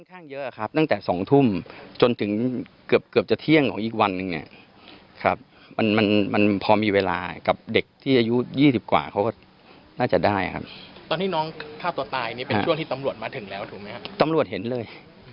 อันนี้สำหรับอาหารที่ตามรวจเห็นเลย